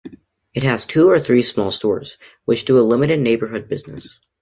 It has two or three small stores, which do a limited neighborhood business.